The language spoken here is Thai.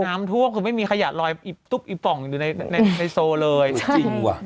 น้ำท่วมคือไม่มีขยะลอยโป่งอยู่ในโซนี่อ่ะจริงว่ะ